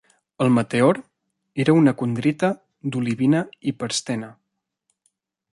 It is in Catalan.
El meteor era una condrita d'olivina-hiperstena.